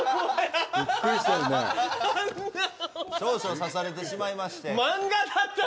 少々刺されてしまいまして。